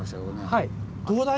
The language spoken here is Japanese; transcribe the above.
はい。